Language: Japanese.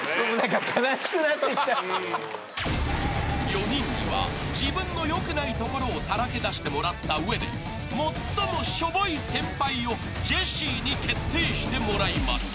［４人には自分の良くないところをさらけ出してもらった上で最もしょぼい先輩をジェシーに決定してもらいます］